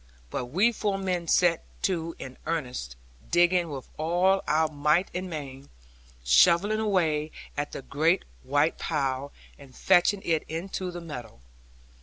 But we four men set to in earnest, digging with all our might and main, shovelling away at the great white pile, and fetching it into the meadow.